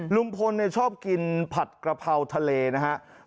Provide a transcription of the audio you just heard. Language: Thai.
ลุงพลชอบกินผัดกระเพราทะเลนะครับ